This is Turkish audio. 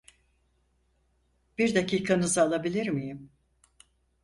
Bir dakikanızı alabilir miyim?